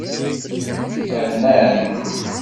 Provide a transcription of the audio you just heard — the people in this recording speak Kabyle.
Rnan.